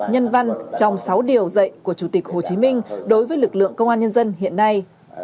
nhân văn trong sáu điều dạy của chủ tịch hồ chí minh đối với lực lượng công an nhân dân hiện nay